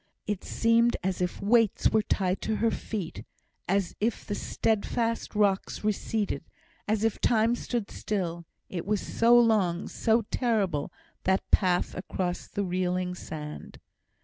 It seemed as if weights were tied to her feet as if the steadfast rocks receded as if time stood still; it was so long, so terrible, that path across the reeling sand.